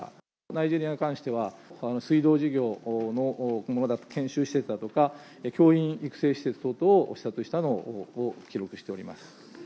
ナイジェリアに関しては、水道事業の研修施設だとか、教員育成施設等々を視察したのを記憶しております。